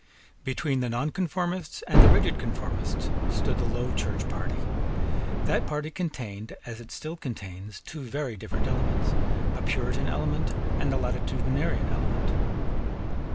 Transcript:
Between the nonconformists and the rigid conformists stood the Low Church party. That party contained, as it still contains, two very different elements, a Puritan element and a Latitudinarian element.